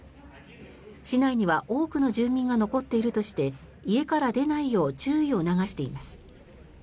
市内には多くの住民が残っているとして家から出ないよう注意を促しています。